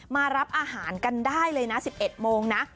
มารับอาหารกันได้เลยนะ๑๑โมงนะ